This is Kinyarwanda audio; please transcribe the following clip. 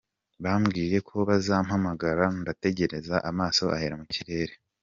Bambwiye ko bazampamagara, ndategereza amaso ahera mu kirere.